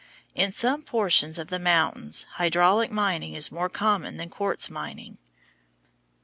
In some portions of the mountains hydraulic mining is more common than quartz mining.